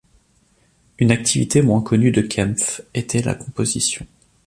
Une activité moins connue de Kempff était la composition.